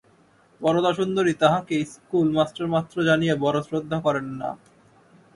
বরদাসুন্দরী তাঁহাকে ইস্কুল-মাস্টার মাত্র জানিয়া বড়ো শ্রদ্ধা করেন না।